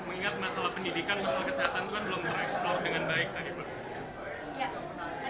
mengingat masalah pendidikan masalah kesehatan itu kan belum tereksplor dengan baik tadi pak